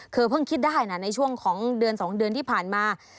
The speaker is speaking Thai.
คือเพิ่งคิดได้นะในช่วงของเดือน๒เดือนที่ผ่านมา